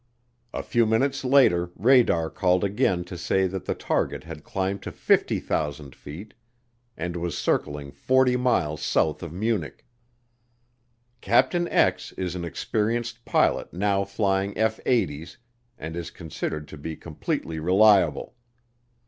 A few minutes later radar called again to say that the target had climbed to 50,000 feet, and was circling 40 miles south of Munich. Capt. is an experienced pilot now flying F 80's and is considered to be completely reliable.